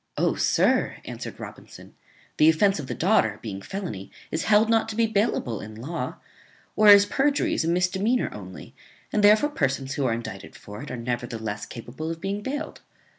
"Oh! sir," answered Robinson, "the offence of the daughter, being felony, is held not to be bailable in law; whereas perjury is a misdemeanor only; and therefore persons who are even indicted for it are, nevertheless, capable of being bailed.